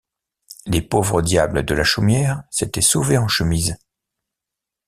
Les pauvres diables de la chaumière s’étaient sauvés en chemise.